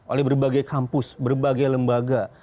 oleh berbagai kampus berbagai lembaga